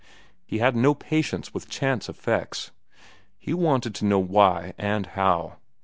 He had no patience with chance effects. He wanted to know why and how.